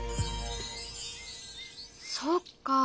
そっか。